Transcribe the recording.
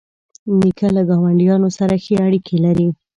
نیکه له ګاونډیانو سره ښې اړیکې لري.